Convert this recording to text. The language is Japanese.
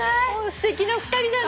すてきな２人だね。